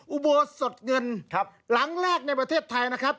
อุโบสถเงินหลังแรกในประเทศไทยนะครับ